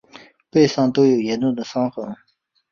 背上都是严重的伤痕